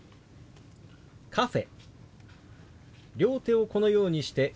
「カフェ」。